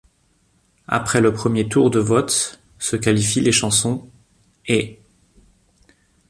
Après le premier tour de vote se qualifient les chansons ',' et '.